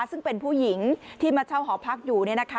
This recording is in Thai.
ซึ่งเป็นผู้หญิงที่มาเช่าหอพักอยู่เนี่ยนะคะ